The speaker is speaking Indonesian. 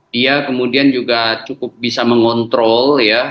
dia kemudian juga cukup bisa mengontrol ya